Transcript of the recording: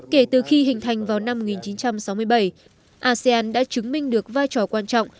kể từ khi hình thành vào năm một nghìn chín trăm sáu mươi bảy asean đã chứng minh được vai trò quan trọng